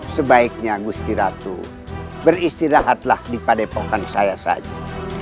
sebaiknya gusti ratu beristirahatlah di padepokan saya saja